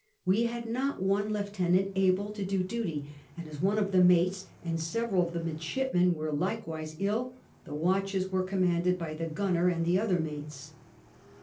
We had not one lieutenant able to do duty ; and as one of the mates and several of the midshipmen were likewise ill, tlie watches were com manded by tlie gunner and the other mates.